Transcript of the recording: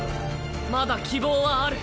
まだ希望はある。